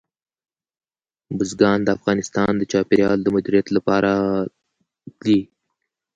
بزګان د افغانستان د چاپیریال د مدیریت لپاره دي.